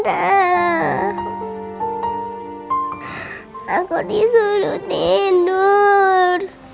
takut disuruh tidur